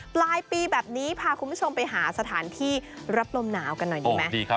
ปลายปีแบบนี้พาคุณผู้ชมไปหาสถานที่รับลมหนาวกันหน่อยดีไหม